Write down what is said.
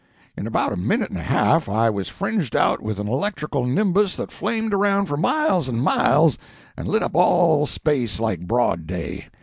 In about a minute and a half I was fringed out with an electrical nimbus that flamed around for miles and miles and lit up all space like broad day.